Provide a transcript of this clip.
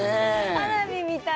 花火見たい。